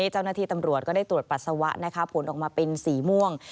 เจ้าหน้าที่ตำรวจก็ได้ตรวจปัสสาวะนะคะผลออกมาเป็นสีม่วง